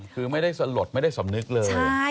คือไม่ได้สลดไม่ได้สำนึกเลย